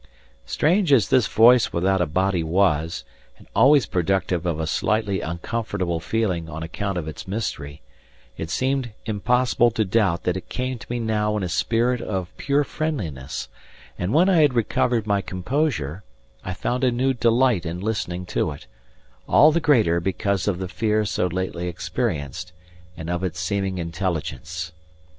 Strange as this voice without a body was, and always productive of a slightly uncomfortable feeling on account of its mystery, it seemed impossible to doubt that it came to me now in a spirit of pure friendliness; and when I had recovered my composure I found a new delight in listening to it all the greater because of the fear so lately experienced, and of its seeming intelligence.